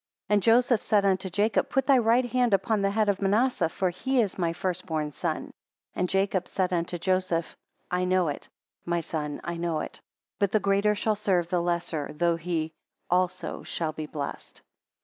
And Joseph said unto Jacob; Put thy right hand upon the head of Manasseh, for he is my first born son. And Jacob said unto Joseph; I know it, my son, I know it; but the greater shall serve the lesser; though he also shall be blessed.